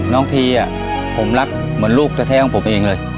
ทีผมรักเหมือนลูกแท้ของผมเองเลย